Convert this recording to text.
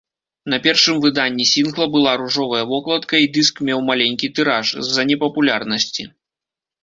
На першым выданні сінгла была ружовая вокладка і дыск меў маленькі тыраж, з-за непапулярнасці.